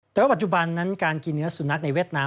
แต่ว่าปัจจุบันนั้นการกินเนื้อสุนัขในเวียดนาม